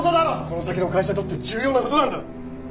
この先の会社にとって重要な事なんだ！